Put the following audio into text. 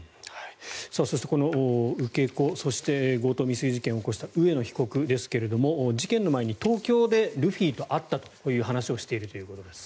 そして、受け子そして強盗未遂事件を起こした上野被告ですが事件の前に東京でルフィと会ったという話をしているということです。